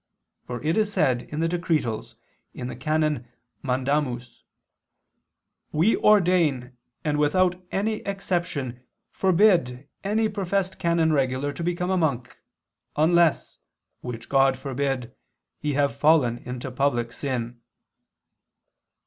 For it is said in the Decretals (XIX, qu. iii, can. Mandamus): "We ordain and without any exception forbid any professed canon regular to become a monk, unless (which God forbid) he have fallen into public sin."